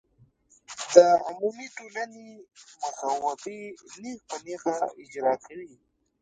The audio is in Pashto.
د عمومي ټولنې مصوبې نېغ په نېغه اجرا کوي.